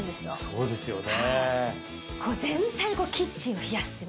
そうですね。